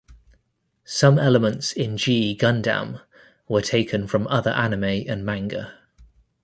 Some elements in "G Gundam" were taken from other anime and manga.